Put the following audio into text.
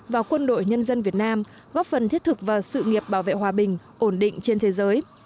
và quân đội nhân dân việt nam góp phần thiết thực vào sự nghiệp bảo vệ hòa bình ổn định trên thế giới